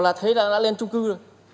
là thấy là đã lên trung cư rồi